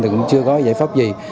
thì cũng chưa có giải pháp gì